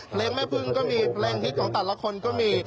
เพลงแม่พึ่งก็มีเพลงฮิตของแต่ละคนก็มี